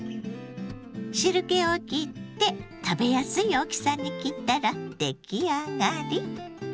汁けをきって食べやすい大きさに切ったらできあがり。